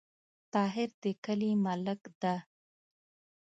طاهر د کلې ملک ده